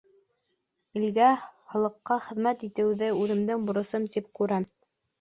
Илгә, халыҡҡа хеҙмәт итеүҙе үҙемдең бурысым тип күрәм.